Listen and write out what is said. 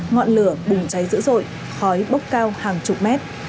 ngọn lửa bùng cháy dữ dội khói bốc cao hàng chục mét